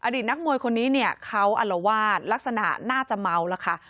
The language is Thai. อดีตนักมวยคนนี้เนี้ยเขาอาละว่าลักษณะน่าจะเมาล่ะค่ะ